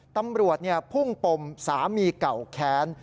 ตำรวจพุ่งปมสามีเก่าแค้น